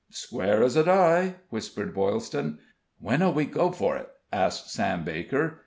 "Square as a die," whispered Boylston. "When'll we go for it?" asked Sam Baker.